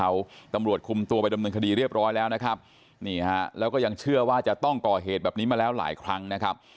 ตำรวจคุมตัวไปดำเนินคดีเรียบร้อยแล้วนะครับนี่ฮะแล้วก็ยังเชื่อว่าจะต้องก่อเหตุแบบนี้มาแล้วหลายครั้งนะครับ